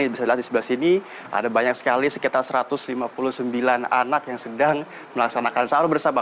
bisa dilihat di sebelah sini ada banyak sekali sekitar satu ratus lima puluh sembilan anak yang sedang melaksanakan sahur bersama